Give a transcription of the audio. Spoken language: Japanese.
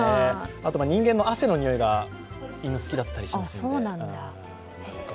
あとは人間の汗のにおいが犬は好きだったりしますよね。